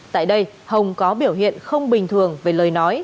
tại đây hồng có biểu hiện không bình thường về lời nói